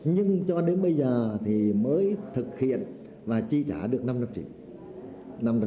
nhưng cho đến bây giờ thì mới thực hiện và chi trả được năm trăm linh triệu